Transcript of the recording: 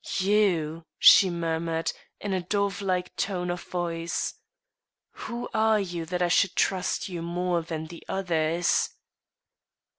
"You!" she murmured, in a dove like tone of voice; "who are you that I should trust you more than the others?"